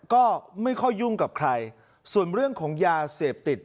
ก็ไม่ค่อยยุ่งกับใครส่วนเรื่องของยาเสพติด